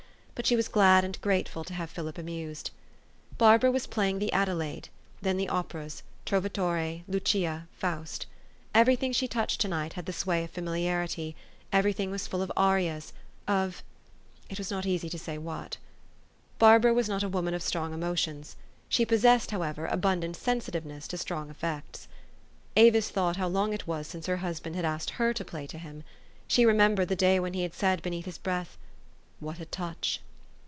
But she was glad and grateful to have Philip amused. Barbara was playing the "Adelaide," then the operas ,< l Trovatore ,'' "Lucia ,"" Faust .'' Every thing she touched to night had the sway of famil iarity : every thing was full of arias, of it was not easy to say what. Barbara was not a woman of strong emotions. She possessed, however, abundant sensitiveness to strong effects. Avis thought how long it was since her husband had asked her to play to him. She remembered the day when he said beneath his breath, " What a touch